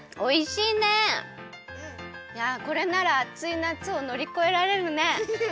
いやこれならあついなつをのりこえられるね！